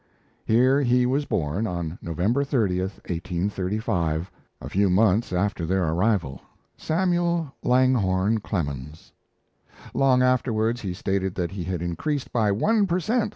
Here was born, on November 30, 1835, a few months after their arrival, Samuel Langhorne Clemens. Long afterwards he stated that he had increased by one per cent.